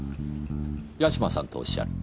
八島さんとおっしゃる？